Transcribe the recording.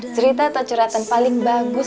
cerita atau curhatan paling bagus